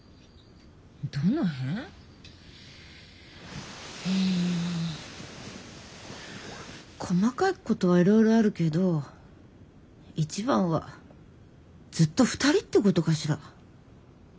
どの辺？ん細かいことはいろいろあるけど一番はずっと２人ってことかしら。